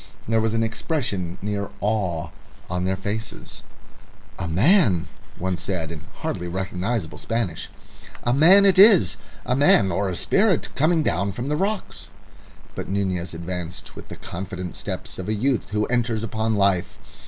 There was an expression near awe on their faces. "A man," one said, in hardly recognisable Spanish "a man it is a man or a spirit coming down from the rocks." But Nunez advanced with the confident steps of a youth who enters upon life.